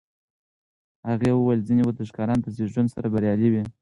هغې وویل ځینې ورزشکاران د زېږون سره بریالي وي.